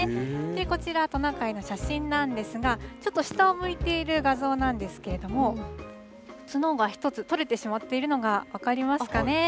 こちら、トナカイの写真なんですが、ちょっと下を向いている画像なんですけれども、角が１つ取れてしまっているのが、分かりますかね。